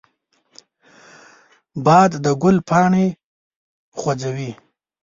باد د ګل پاڼې خوځوي